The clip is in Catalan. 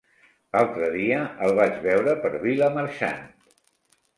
L'altre dia el vaig veure per Vilamarxant.